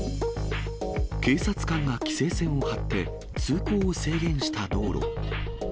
警察官が規制線を張って、通行を制限した道路。